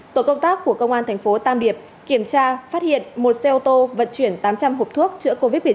tổ công tác của công an thành phố tam điệp kiểm tra phát hiện một xe ô tô vận chuyển tám trăm linh hộp thuốc chữa covid một mươi chín